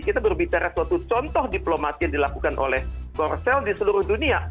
kita berbicara suatu contoh diplomasi yang dilakukan oleh korsel di seluruh dunia